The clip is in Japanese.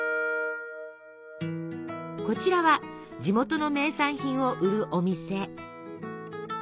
こちらは地元の名産品を売るお店。